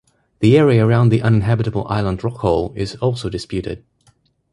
The area around the uninhabitable island Rockall is also disputed.